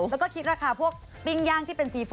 แล้วก็คิดราคาพวกปริ้งย่าง